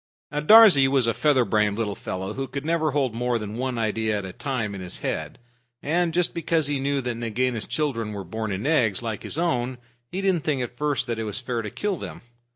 Darzee was a feather brained little fellow who could never hold more than one idea at a time in his head. And just because he knew that Nagaina's children were born in eggs like his own, he didn't think at first that it was fair to kill them.